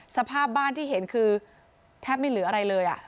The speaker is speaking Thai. สภาพบ้านที่เห็นคือแทบไม่เหลืออะไรเลย